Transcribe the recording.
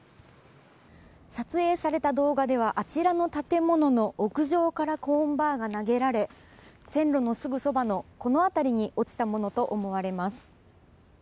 撮影された動画ではあちらの建物の屋上からコーンバーが投げられ線路のすぐそばのこの辺りに落ちたものと思われます。